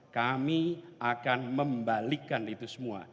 kami akan membalikan itu semua